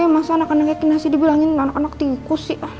masa anak anaknya kena sih dibilangin anak anak tikus sih